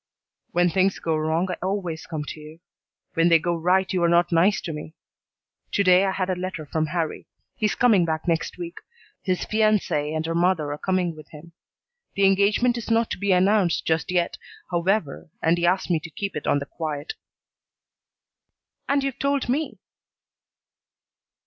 "When things go wrong I always come to you. When they go right you are not nice to me. To day I had a letter from Harrie. He's coming back next week. His fiancee and her mother are coming with him. The engagement is not to be announced just yet, however, and he asks me to keep it on the quiet." "And you've told me."